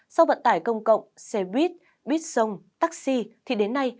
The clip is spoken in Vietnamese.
sau vận tải công cộng xe buýt buýt sông taxi thì đến nay